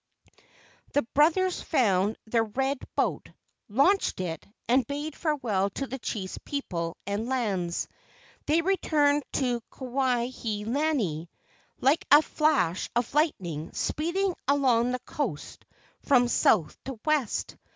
The brothers found their red boat, launched it, and bade farewell to the chief's people and lands. They returned to Kuai he lani, like a flash of lightning speeding along the coast from south to west.